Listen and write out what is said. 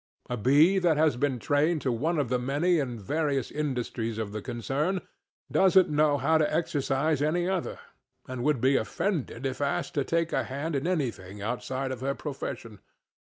A bee that has been trained to one of the many and various industries of the concern doesnŌĆÖt know how to exercise any other, and would be offended if asked to take a hand in anything outside of her profession.